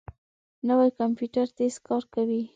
نوی کمپیوټر تېز کار کوي